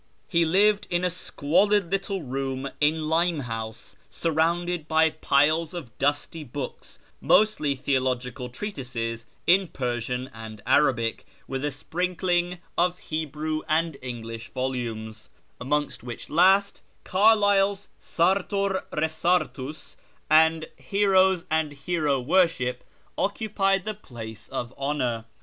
He lived in a squalid little room in Limehouse, surrounded by piles of dusty books, mostly theological treatises in Persian and Arabic, with a sprinkling of Hebrew and English volumes, amongst which last Carlyle's Sartor Mcsartus and Heroes and Ilcro Worshij) occupied the place of honour.